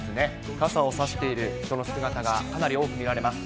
傘を差している人の姿がかなり多く見られます。